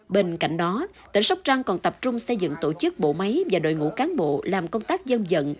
bên cạnh đó tỉnh sóc trăng còn tập trung xây dựng tổ chức bộ máy và đội ngũ cán bộ làm công tác dân dận